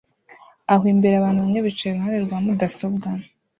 aho imbere abantu bamwe bicara iruhande rwa mudasobwa